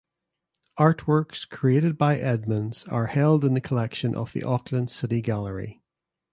Artworks created by Edmunds are held in the collection of the Auckland City Gallery.